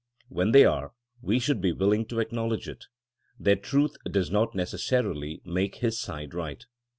When they are, we should be will ing to p,cknowledge it. Their truth does not necessarily make his side right.